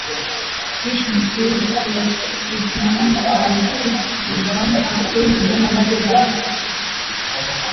Kirshner calls to Desmond and begs for him to bring him another body.